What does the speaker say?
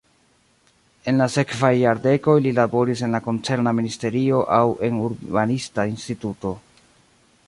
En la sekvaj jardekoj li laboris en la koncerna ministerio aŭ en urbanista instituto.